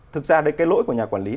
thực ra đây cái lỗi của nhà quản lý